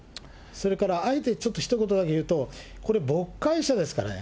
それからあえてちょっと一言だけ言うと、これ、牧会者ですからね。